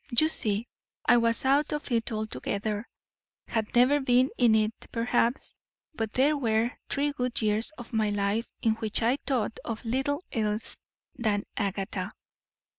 You see, I was out of it altogether; had never been in it, perhaps; but there were three good years of my life in which I thought of little else than Agatha.